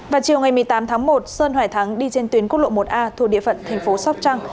vào chiều ngày một mươi tám tháng một sơn hoài thắng đi trên tuyến quốc lộ một a thuộc địa phận thành phố sóc trăng